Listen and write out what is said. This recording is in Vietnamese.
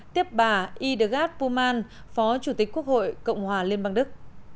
tiếp bà idegard pumann phó chủ tịch quốc hội cộng hòa liên bang đức